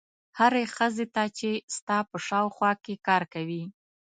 هرې ښځې ته چې ستا په شاوخوا کې کار کوي.